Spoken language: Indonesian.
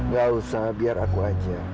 gak usah biar aku aja